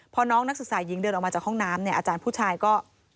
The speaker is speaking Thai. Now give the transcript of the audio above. พอน้องนักศึกษาหญิงเดินออกมาจากห้องน้ำเนี่ยอาจารย์ผู้ชายก็